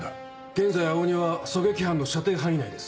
現在青鬼は狙撃班の射程範囲内です。